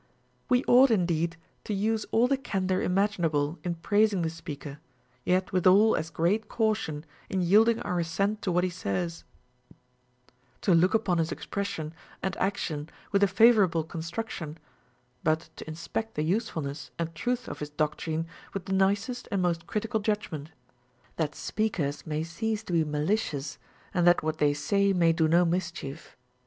We ought indeed to use all the candor imaginable in praising the speaker, yet withal as great caution in yielding our assent to Avhat he says ; to look upon his expression and action with a favorable con struction, but to inspect the usefulness and truth of his doctrine with the nicest and most critical judgment ; that speakers may cease to be malicious, and that what they say may do no mischief.